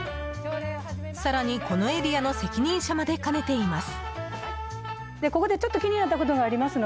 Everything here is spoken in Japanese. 更に、このエリアの責任者まで兼ねています。